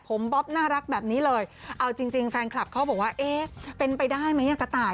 ผมบ๊อบน่ารักแบบนี้เลยเอาจริงแฟนคลับเขาบอกว่าเอ๊ะเป็นไปได้ไหมอ่ะกระต่าย